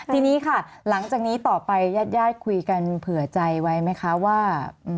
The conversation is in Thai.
ทีนี้ค่ะหลังจากนี้ต่อไปญาติญาติคุยกันเผื่อใจไว้ไหมคะว่า